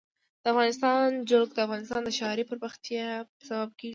د افغانستان جلکو د افغانستان د ښاري پراختیا سبب کېږي.